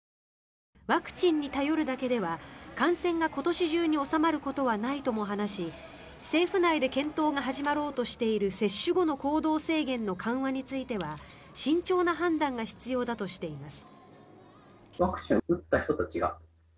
ワクチンに頼るだけでは感染が今年中に収まることはないとも話し政府内で検討が始まろうとしている接種後の行動制限の緩和については、慎重な判断が必要だとしています。